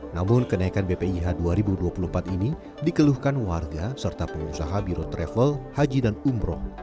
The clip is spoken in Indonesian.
namun kenaikan bpih dua ribu dua puluh empat ini dikeluhkan warga serta pengusaha biro travel haji dan umroh